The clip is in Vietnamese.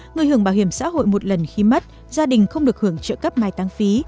người hưởng bảo hiểm xã hội một lần khi mất gia đình không được hưởng trợ cấp mai tăng phí